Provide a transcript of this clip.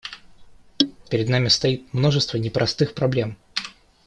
Перед нами стоит множество непростых проблем.